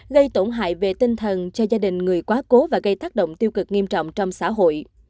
gây tổn hại về tinh thần cho gia đình người quá cố và gây tác động tiêu cực nghiêm trọng trong xã hội